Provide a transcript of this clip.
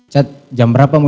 chat jam berapa mau